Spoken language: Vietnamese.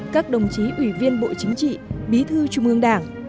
các đồng chí ủy viên bộ chính trị bí thư trung ương đảng